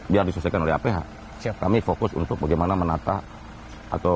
biar diselesaikan oleh aph kami fokus untuk bagaimana menata atau mengeksekusi dan mengeksekusi data yang tersebut